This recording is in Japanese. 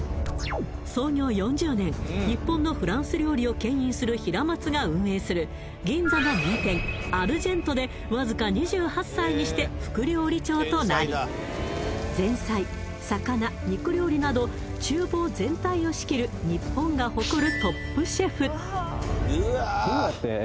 創業４０年日本のフランス料理を牽引するひらまつが運営する銀座の名店アルジェントでわずかとなり前菜魚肉料理など厨房全体を仕切る日本が誇るトップシェフ